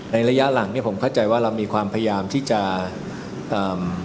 ระยะหลังเนี้ยผมเข้าใจว่าเรามีความพยายามที่จะอ่า